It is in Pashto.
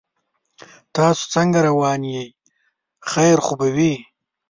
تاسو څنګه روان یې خیر خو به وي